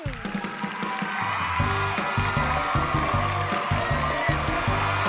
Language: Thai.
สวัสดีค่ะ